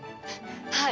はい。